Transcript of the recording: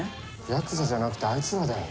ヤクザじゃなくてあいつらだよ。